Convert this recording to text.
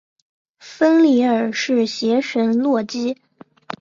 芬里尔是邪神洛基。